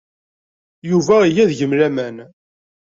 Yuba iga deg-m laman.